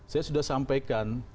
saya sudah sampaikan